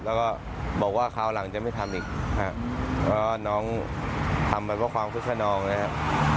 แล้วก็บอกว่าคราวหลังจะไม่ทำอีกครับเพราะว่าน้องทำไปเพราะความคึกขนองนะครับ